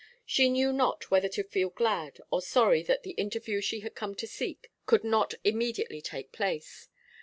She knew not whether to feel glad or sorry that the interview she had come to seek could not immediately take place.